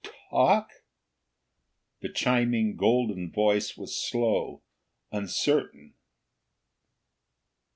"Talk?" The chiming, golden voice was slow, uncertain.